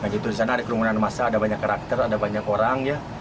di sana ada kerumunan masa ada banyak karakter ada banyak orang ya